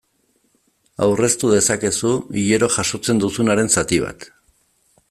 Aurreztu dezakezu hilero jasotzen duzubaren zati bat.